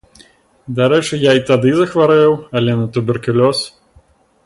Дарэчы, я і тады захварэў, але на туберкулёз.